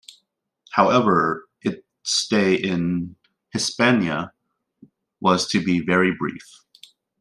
However, its stay in Hispania was to be very brief.